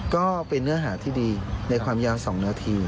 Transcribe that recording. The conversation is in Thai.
ก็เป็นเนื้อหาที่ดีในความยาว๒นาที